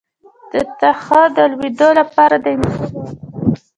د تخه د لوییدو لپاره د انځر اوبه وڅښئ